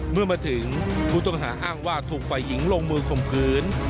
เมื่อมาถึงกูต้องหาอ้างว่าถูกไฟหญิงลงมือคมคืน